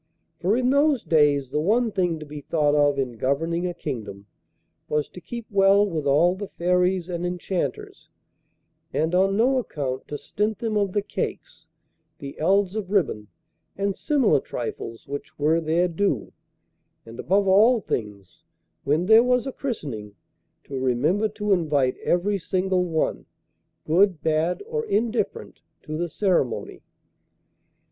For in those days the one thing to be thought of in governing a kingdom was to keep well with all the Fairies and Enchanters, and on no account to stint them of the cakes, the ells of ribbon, and similar trifles which were their due, and, above all things, when there was a christening, to remember to invite every single one, good, bad, or indifferent, to the ceremony.